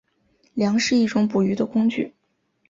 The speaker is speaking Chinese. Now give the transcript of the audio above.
梁是一种捕鱼的工具。